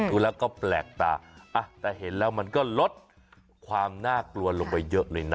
ดูแล้วก็แปลกตาแต่เห็นแล้วมันก็ลดความน่ากลัวลงไปเยอะเลยนะ